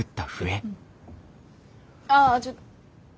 ああちょっと。